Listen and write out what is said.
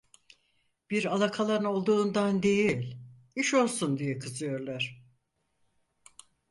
Bir alakalan olduğundan değil, iş olsun diye kızıyorlar.